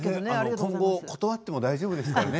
今後、断っても大丈夫ですからね。